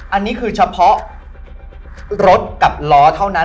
อันนี้คือเฉพาะรถกับล้อเท่านั้น